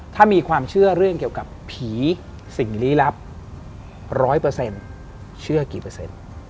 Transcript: ถ้ามีความเชื่อเรื่องเกี่ยวกับผีสิ่งหลีลับ๑๐๐เชื่อกี่เปอร์เซ็นต์